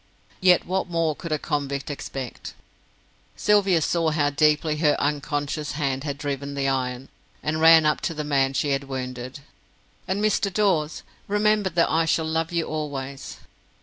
Yet what more could a convict expect? Sylvia saw how deeply her unconscious hand had driven the iron, and ran up to the man she had wounded. "And, Mr. Dawes, remember that I shall love you always."